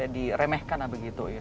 di remehkan begitu